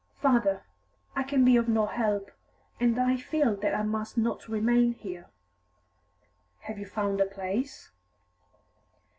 "Father, I can be of no help, and I feel that I must not remain here." "Have you found a place?"